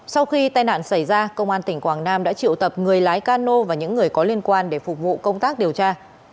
sau khi tai nạn xảy ra công an tỉnh quảng nam đã triệu tập người lái cano và những người có liên quan để phục vụ công tác điều tra